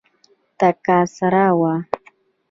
تکه سره وه.